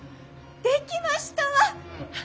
・できましたわ！